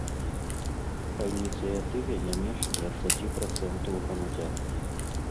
Па ініцыятыве не менш дваццаці працэнтаў грамадзян.